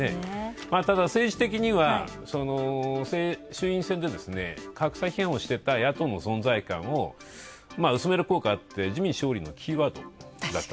ただ政治的には衆院選で格差批判をしてた野党の存在感を薄める効果はあって、自民勝利のキーワードだった。